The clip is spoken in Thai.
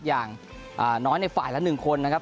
อย่างน้อยในฝ่ายละ๑คนนะครับ